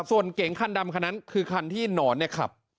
ส่วนเก่งขั้นดำขนนั้นคือขั้นที่หนอนเนี่ยครับ